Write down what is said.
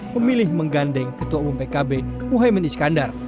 memilih menggandeng ketua umum pkb muhaymin iskandar